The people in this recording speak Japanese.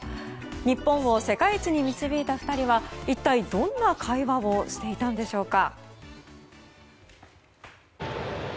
日本を世界一に導いた２人を一体どんな会話をしていたんでしょうか。